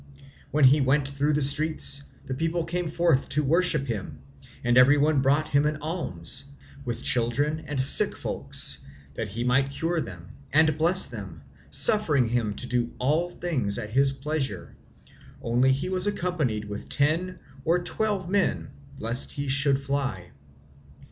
When he went through the streets, the people came forth to worship him, and every one brought him an alms, with children and sick folks, that he might cure them, and bless them, suffering him to do all things at his pleasure, only he was accompanied with ten or twelve men lest he should fly.